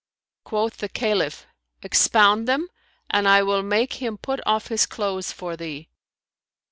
Quoth the Caliph "Expound them, and I will make him put off his clothes for thee."